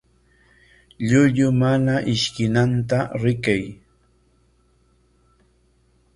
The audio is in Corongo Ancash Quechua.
Llullu mana ishkinanta rikay.